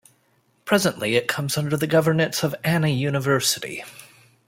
Presently it comes under the governance of Anna University.